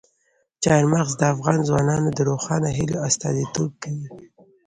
چار مغز د افغان ځوانانو د روښانه هیلو استازیتوب کوي.